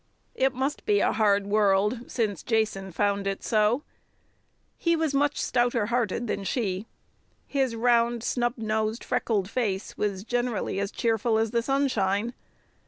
It must be a hard world, since Jason found it so. He was much stouter hearted than she; his round, snub nosed, freckled face was generally as cheerful as the sunshine.